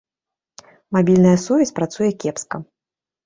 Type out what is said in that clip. Мабільная сувязь працуе кепска.